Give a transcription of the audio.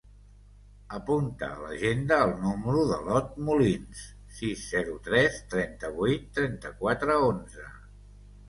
Apunta a l'agenda el número de l'Ot Molins: sis, zero, tres, trenta-vuit, trenta-quatre, onze.